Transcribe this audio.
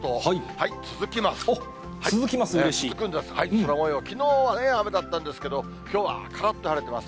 空もよう、きのうは雨だったんですけど、きょうはからっと晴れてます。